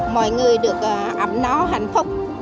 mọi người được ẩm nó hạnh phúc